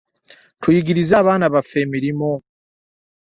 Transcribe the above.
Tuyigirize abaana baffe emirimu.